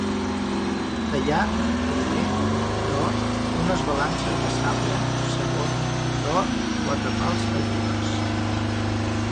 Tallat, primer, d'or, unes balances de sable; segon, d'or, quatre pals de gules.